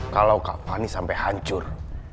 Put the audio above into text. kalau kak fani sampai hancur